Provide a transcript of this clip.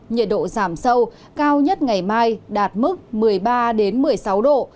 nhiệt độ giảm sâu cao nhất ngày mai đạt mức một mươi ba một mươi sáu độ